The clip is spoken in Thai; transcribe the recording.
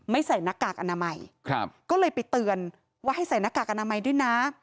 ไม่ใส่นักกากอนามัยก็เลยไปเตือนว่าให้ใส่นักกากอนามัยด้วยนะ